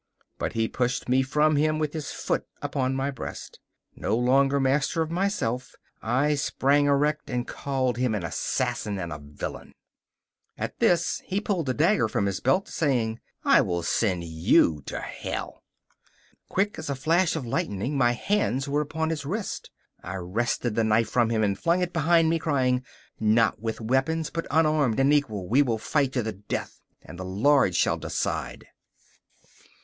But he pushed me from him with his foot upon my breast. No longer master of myself, I sprang erect, and called him an assassin and a villain. At this he pulled a dagger from his belt, saying: 'I will send you to Hell!' Quick as a flash of lightning my hand was upon his wrist. I wrested the knife from him and flung it behind me, crying: 'Not with weapons, but unarmed and equal, we will fight to the death, and the Lord shall decide!